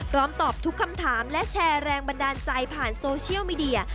ตอบทุกคำถามและแชร์แรงบันดาลใจผ่านโซเชียลมีเดีย